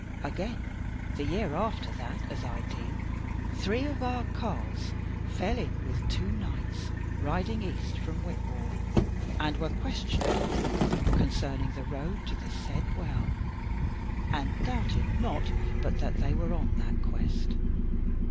Again the year after that, as I deem, three of our carles fell in with two knights riding east from Whitwall, and were questioned of them concerning the road to the said Well, and doubted not but that they were on that quest.